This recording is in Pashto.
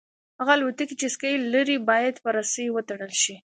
هغه الوتکې چې سکي لري باید په رسۍ وتړل شي